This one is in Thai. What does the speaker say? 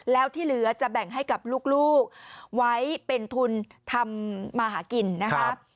แล้วที่เหลือจะแบ่งให้กับลูกไว้เป็นทุนทำมาหากินนะคะ